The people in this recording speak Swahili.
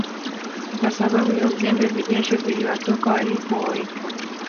kwa sababu ya uzembe vijasho viliwatoka walipowekwa